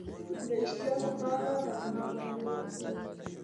د اشتها لپاره د انار دانې وخورئ